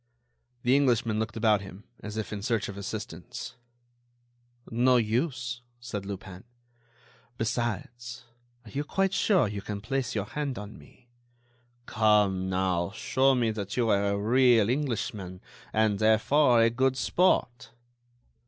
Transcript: The Englishman looked about him, as if in search of assistance. "No use," said Lupin. "Besides, are you quite sure you can place your hand on me? Come, now, show me that you are a real Englishman and, therefore, a good sport."